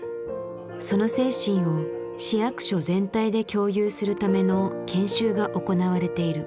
その精神を市役所全体で共有するための研修が行われている。